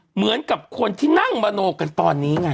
เหมือนกับคนที่นั่งมโนกันตอนนี้ไง